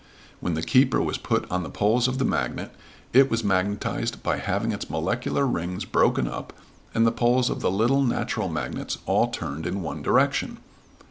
When the "keeper" was put on the poles of the magnet it was magnetized by having its molecular rings broken up and the poles of the little natural magnets all turned in one direction.